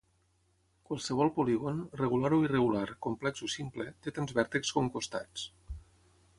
Qualsevol polígon, regular o irregular, complex o simple, té tants vèrtexs com costats.